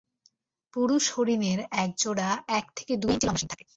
পুরুষ হরিণের এক জোড়া এক থেকে দুই ইঞ্চি লম্বা শিং থাকে।